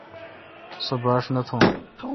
سو باݭ نہ تھوں۔